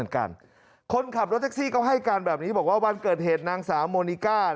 คนขับรถแท็กซี่ก็ให้การแบบนี้บอกว่าวันเกิดเหตุนางสาวโมนิก้า